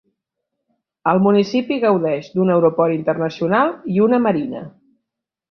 El municipi gaudeix d'un aeroport internacional i una marina.